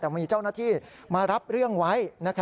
แต่มีเจ้าหน้าที่มารับเรื่องไว้